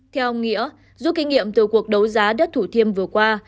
theo ông nghĩa rút kinh nghiệm từ cuộc đấu giá đất thủ thiêm vừa qua